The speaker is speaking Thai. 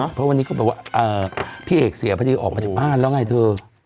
เพราะวันนี้ก็แบบว่าพี่เอกเสียพอดีออกมาจากบ้านแล้วไงเธอ